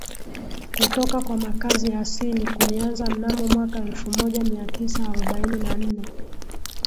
kutoka kwa makazi ya asili kulianza mnamo mwaka elfumoja miatisa arobaini na nne